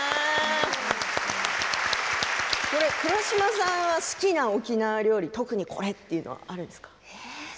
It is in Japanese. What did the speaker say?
黒島さんは好きな沖縄料理特にこれというのはあるんですか。